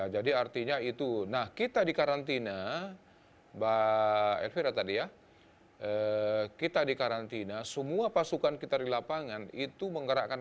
jadi artinya itu nah kita di karantina mbak elvira tadi ya kita di karantina semua pasukan kita di lapangan itu menggerakkan